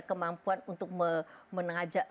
kemampuan untuk mengajak